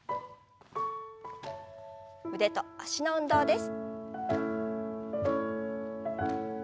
腕と脚の運動です。